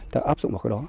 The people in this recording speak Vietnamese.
ta áp dụng vào cái đó